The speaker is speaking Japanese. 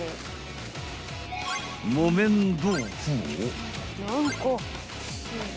［木綿豆腐を］